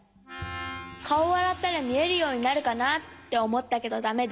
かおあらったらみえるようになるかなっておもったけどだめで。